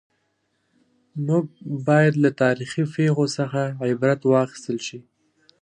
موږ باید له تاریخي پېښو څخه عبرت واخیستل شي.